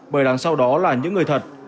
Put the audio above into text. bởi đằng sau đó là những người thật